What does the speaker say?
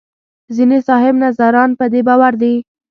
ځینې صاحب نظران په دې باور دي.